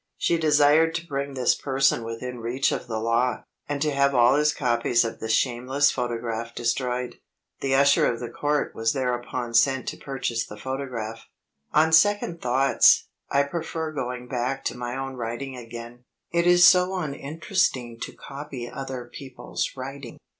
She desired to bring this person within reach of the law, and to have all his copies of the shameless photograph destroyed. The usher of the court was thereupon sent to purchase the photograph." On second thoughts, I prefer going back to my own writing again; it is so uninteresting to copy other people's writing.